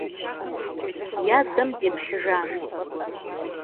Yadem deplhêyaş.